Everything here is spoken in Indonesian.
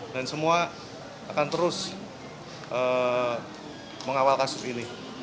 dan semua akan terus mengawal kasus ini